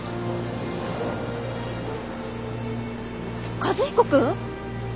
和彦君？